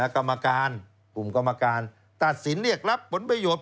กรรมการตัดสินเรียกรับผลประโยชน์